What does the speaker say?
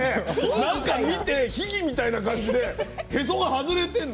なんか秘技みたいな感じでへそが外れてんの。